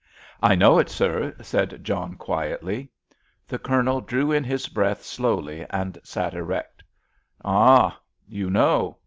"I know it, sir," said John quietly. The Colonel drew in his breath slowly and sat erect. "Ah, you know.